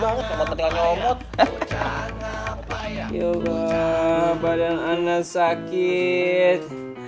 yobah badan anak sakit